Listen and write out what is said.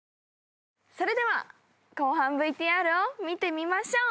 それでは後半ＶＴＲを見てみましょう。